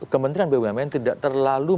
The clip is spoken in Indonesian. kementerian bumn tidak terlalu